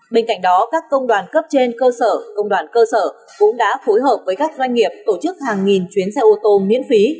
bên cạnh đó các công đoàn cấp trên cơ sở công đoàn cơ sở cũng đã phối hợp với các doanh nghiệp tổ chức hàng nghìn chuyến xe ô tô miễn phí